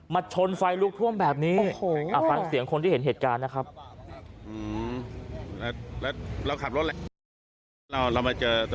ชนไฟลุกท่วมแบบนี้ฟังเสียงคนที่เห็นเหตุการณ์นะครับ